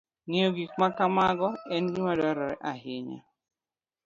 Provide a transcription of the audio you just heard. Ng'eyo gik ma kamago en gima dwarore ahinya.